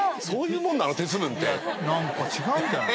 何か違うんじゃない？